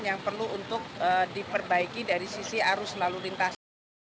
yang perlu untuk diperbaiki dari sisi arus lalu lintasnya